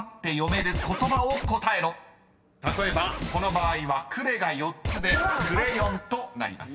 ［例えばこの場合はクレが４つで「クレヨン」となります］